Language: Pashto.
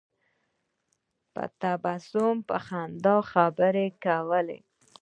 په تبسم په خندا خبرې کولې.